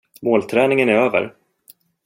Målträningen är över.